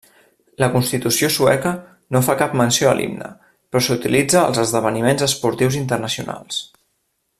La Constitució sueca no fa cap menció a l'himne, però s'utilitza als esdeveniments esportius internacionals.